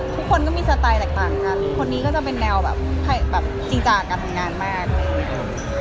ทุกคนมีสไตล์ทำให้ต่างคนนี้ก็จะเป็นแนวเปลี่ยนนั่งตอนทำงานมาก